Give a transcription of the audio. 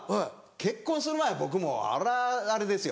結婚する前は僕もあらぁあれですよ。